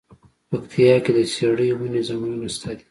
پکتيا کی د څیړۍ ونی ځنګلونه شته دی.